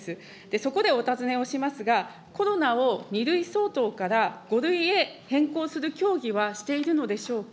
そこでお尋ねをしますが、コロナを２類相当から５類へ変更する協議はしているのでしょうか。